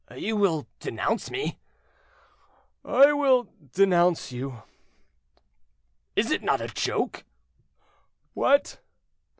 "You will denounce me." "I will denounce you." "Is it not a joke?" "What?"